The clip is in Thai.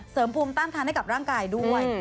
ภูมิต้านทานให้กับร่างกายด้วย